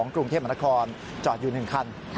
๙๔๒กรุงเทพมนาคอร์จอดอยู่หนึ่งคัน